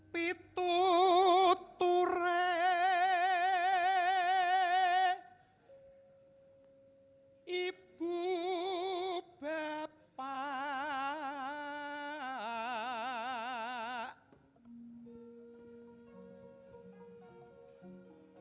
pituture ibu bapak